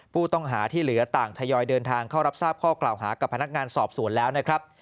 ผู้ต้องหาที่เหลือต่างทยอยเดินทางเข้ารับทราบข้อกล่าวหากับพนักงานสอบสวนแล้วนะครับ